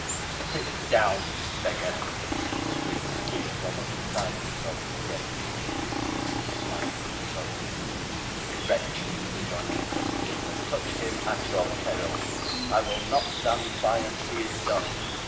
'Sit down, beggar!' screamed Squeers, almost beside himself with rage, and seizing Smike as he spoke. 'Wretch,' rejoined Nicholas, fiercely, 'touch him at your peril! I will not stand by, and see it done.